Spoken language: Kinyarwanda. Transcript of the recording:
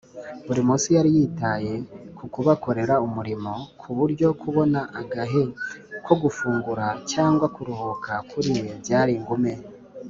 buri munsi yari yitaye ku kubakorera umurimo, ku buryo kubona agahe ko gufungura cyangwa kuruhuka kuri we byari ingume